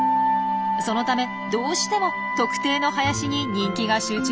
そのためどうしても特定の林に人気が集中しちゃうんです。